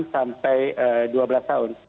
sampai dua belas tahun